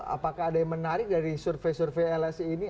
apakah ada yang menarik dari survei survei lsi ini